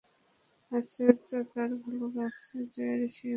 আশ্চর্য, তাঁর ভালো লাগছে জয়ের সেই অন্যরকম দৃষ্টি, নিজেকে শাসন করে সে।